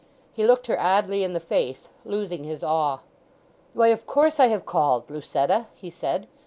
He looked her oddly in the face, losing his awe. "Why, of course I have called, Lucetta," he said.